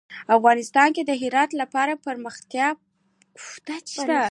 افغانستان کې د هرات لپاره دپرمختیا پروګرامونه شته.